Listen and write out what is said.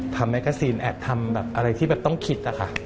ทำหนังโฆษณาแทนทำแบบอะไรที่แบบต้องคิดอะค่ะ